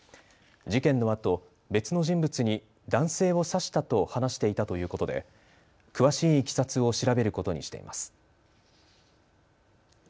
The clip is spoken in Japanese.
事件のあと、別の人物に男性を刺したと話していたということで詳しいいきさつを調べることにしています。